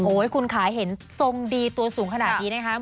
คุณขายเห็นทรงดีตัวสูงขนาดนี้นะครับ